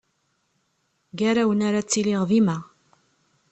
Gar-awen ara ttiliɣ dima.